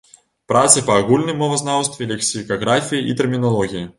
Працы па агульным мовазнаўстве, лексікаграфіі і тэрміналогіі.